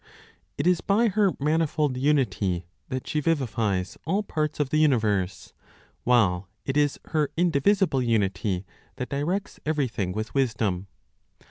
It is by her manifold unity that she vivifies all parts of the universe, while it is her indivisible unity that directs everything with wisdom.